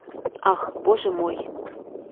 Ах, Боже мой!